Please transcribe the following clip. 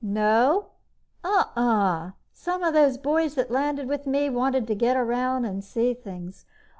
"No?" "Uh uh! Some of the boys that landed with me wanted to get around and see things.